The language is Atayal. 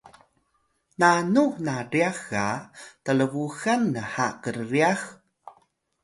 nanu na ryax ga tlbuxan nha krryax?